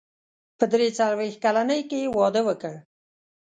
په درې څلوېښت کلنۍ کې يې واده وکړ.